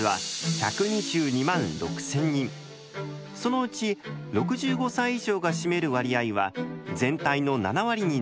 そのうち６５歳以上が占める割合は全体の７割になります。